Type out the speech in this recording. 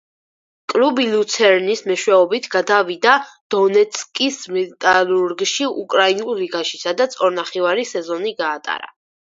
კლუბი „ლუცერნის“ მეშვეობით გადავიდა დონეცკის „მეტალურგში“, უკრაინულ ლიგაში, სადაც ორნახევარი სეზონი გაატარა.